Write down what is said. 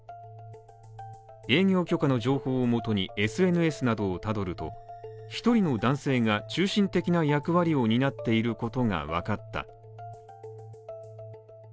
営業許可の情報をもとにＳＮＳなどをたどると、１人の男性が中心的な役割を担っていることがわかった。